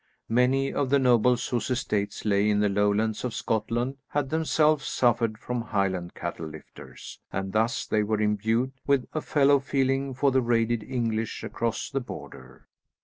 Many of the nobles whose estates lay in the Lowlands of Scotland had themselves suffered from Highland cattle lifters, and thus they were imbued with a fellow feeling for the raided English across the border.